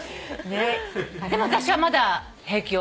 でも私はまだ平気よ。